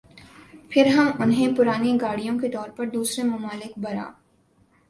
پھر ہم انہیں پرانی گاڑیوں کے طور پر دوسرے ممالک برآ